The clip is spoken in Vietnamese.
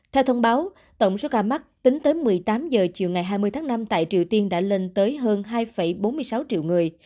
theo thông báo tổng số ca mắc tính tới một mươi tám h chiều ngày hai mươi tháng năm tại triều tiên đã lên tới hơn hai bốn mươi sáu triệu người